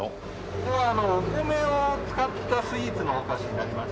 ここはお米を使ったスイーツのお菓子になります。